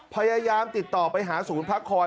พยายามติดต่อไปหาศูนย์พักคอย